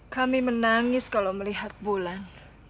kami menangis kalau melihat bulan